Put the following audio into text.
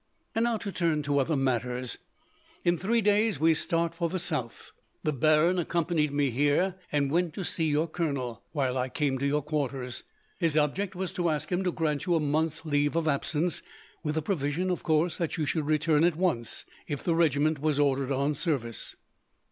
"And now, to turn to other matters. In three days we start for the south. The baron accompanied me here, and went to see your colonel, while I came to your quarters. His object was to ask him to grant you a month's leave of absence, with the provision, of course, that you should return at once, if the regiment was ordered on service."